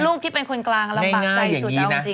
ลูกที่เป็นคนกลางลำบากใจสุด